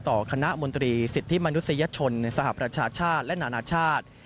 คณะมนตรีสิทธิมนุษยชนในสหประชาชาติและนานาชาติ